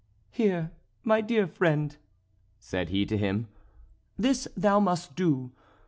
"Here, my dear friend," said he to him, "this thou must do.